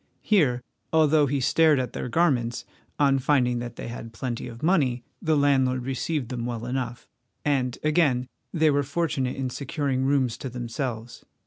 Here, although he stared at their garments, on finding that they had plenty of money, the landlord received them well enough, and again they were fortunate in securing rooms to themselves.